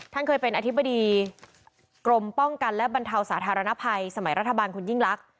ท่านเคยเป็นอธิบดีกรมป้องกันและบรรเทาสาธารณภัยสมัยรัฐบาลคุณยิ่งลักษณ